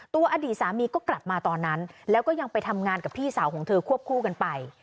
อดีตสามีก็กลับมาตอนนั้นแล้วก็ยังไปทำงานกับพี่สาวของเธอควบคู่กันไป